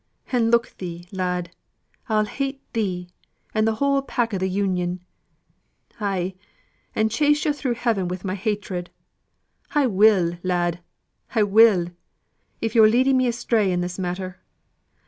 An' look thee lad, I'll hate thee, and th' whole pack o' th' Union. Ay, an' chase yo' through heaven wi' my hatred, I will, lad! I will, if yo're leading me astray i' this matter.